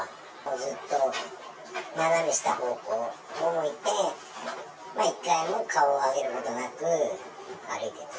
ずっと斜め下方向を見て、一回も顔を上げることなく歩いてた。